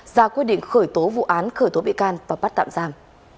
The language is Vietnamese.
ra quyết định khởi tố vụ án khởi tố bị can và bắt tạm giam